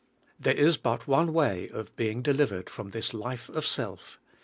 There is but one way of being delivered from this life of self.